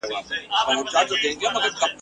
له خپل تخته را لوېدلی چي سرکار وي !.